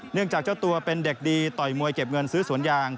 จากเจ้าตัวเป็นเด็กดีต่อยมวยเก็บเงินซื้อสวนยาง